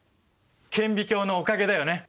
顕微鏡のおかげだよね！